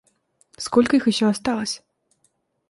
Сколько их еще осталось?